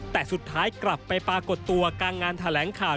แต่สุดท้ายกลับไปปรากฏตัวกลางงานแถลงข่าว